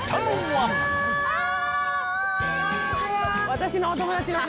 私のお友達の。